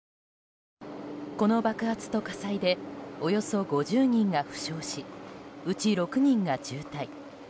この爆発と火災でおよそ５０人が負傷しうち６人が重体。